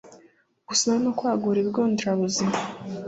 gusana no kwagura ibigo nderabuzima